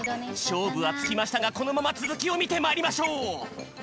しょうぶはつきましたがこのままつづきをみてまいりましょう。